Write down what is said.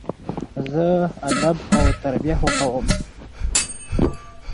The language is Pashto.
زه ادب او تربیه خوښوم.